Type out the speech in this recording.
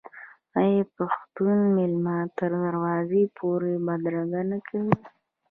آیا پښتون میلمه تر دروازې پورې بدرګه نه کوي؟